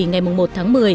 ngày một tháng một mươi